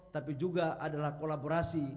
tapi juga adalah kolaborasi